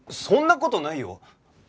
そんな事ないよ！